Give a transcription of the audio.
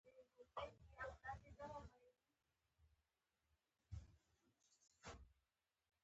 شاوخوا سل میلیونه ویونکي